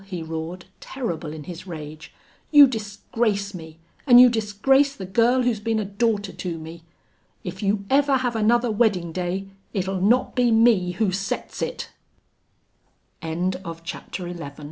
he roared, terrible in his rage. "You disgrace me an' you disgrace the girl who's been a daughter to me!... if you ever have another weddin' day it'll not be me who sets it!" CHAPTER XII November was well advanced befor